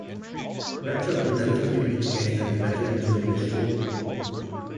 Richard would interview each guest individually during the show.